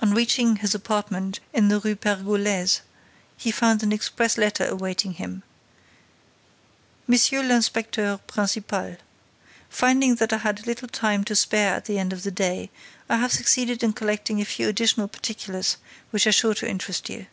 On reaching his apartment in the Rue Pergolese, he found an express letter awaiting him: Monsieur l'Inspecteur Principal: Finding that I had a little time to spare at the end of the day, I have succeeded in collecting a few additional particulars which are sure to interest you.